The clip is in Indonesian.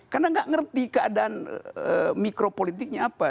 karena nggak ngerti keadaan mikropolitiknya apa